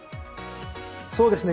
そうですね。